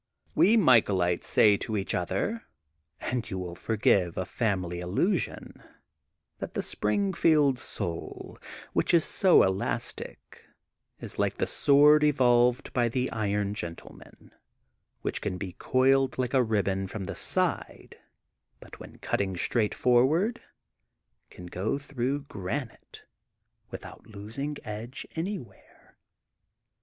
"We Michaelites say to each other, and you will forgive a family allusion, that the Spring field soul, which is so elastic, is like the sword evolved by the Iron (Gentleman, which can be coiled like a ribbon from the side but, when cutting straightforward, can go through gran ite without losing edge anywhere.